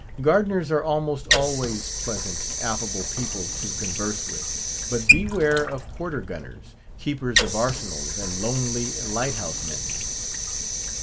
Gardeners are almost always pleasant, affable people to converse with; but beware of quarter gunners, keepers of arsenals, and lonely light house men.